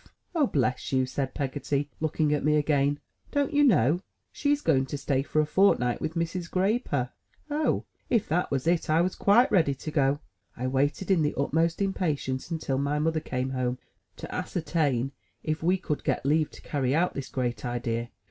"Oh bless you!" said Peggotty, looking at me again. "Don't you know? She's going to stay for a fortnight with Mrs. Grayper." Oh! If that was it, I was quite ready to go. I waited, in the utmost impatience until my mother came home, to ascertain if we could get leave to carry out this great idea.